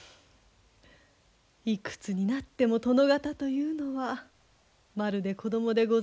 いくつになっても殿方というのはまるで子供でございますねえ。